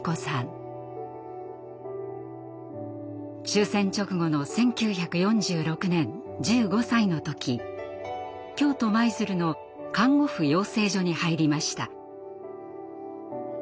終戦直後の１９４６年１５歳の時京都・舞鶴の看護婦養成所に入りました。